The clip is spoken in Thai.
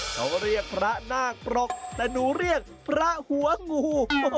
เขาเรียกพระนาคปรกแต่หนูเรียกพระหัวงู